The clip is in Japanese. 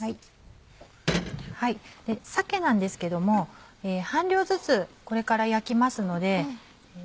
鮭なんですけども半量ずつこれから焼きますので。